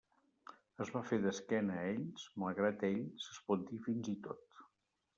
Es va fer d'esquena a ells, malgrat ells, es pot dir fins i tot.